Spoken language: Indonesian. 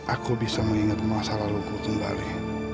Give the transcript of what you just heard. aku bisa mengingat masalah luku kembali